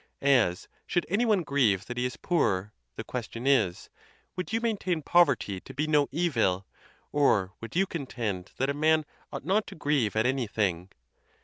As, should any one grieve that he is poor, the question is, Would you maintain poverty to be no evil, or would you contend that a man ought not to ieve at anything?